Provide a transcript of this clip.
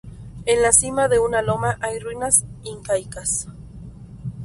En la cima de una loma hay ruinas incaicas.